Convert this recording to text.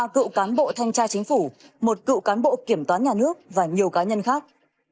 ba cựu cán bộ thanh tra chính phủ một cựu cán bộ kiểm toán nhà nước và nhiều cá nhân khác